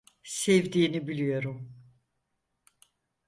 Sevdiğini biliyorum.